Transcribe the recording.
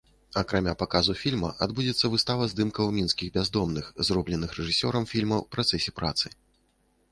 Акрамя паказу фільма адбудзецца выстава здымкаў мінскіх бяздомных, зробленых рэжысёрам фільма ў працэсе працы.